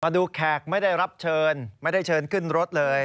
ดูแขกไม่ได้รับเชิญไม่ได้เชิญขึ้นรถเลย